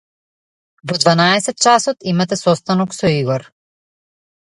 Во дванаесет часот имате состанок со Игор.